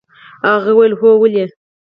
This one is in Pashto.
هغه وويل هو ولې.